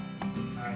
はい。